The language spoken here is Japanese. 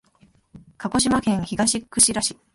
鹿児島県東串良町